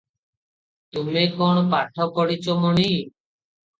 ତୁମେ କଣ ପାଠ ପଢ଼ି ଚ ମଣି?